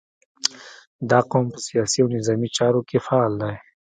• دا قوم په سیاسي او نظامي چارو کې فعال دی.